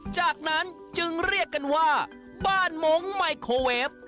จากนั้นจึงเรียกกันว่าบ้านมงค์ไมโคเวฟ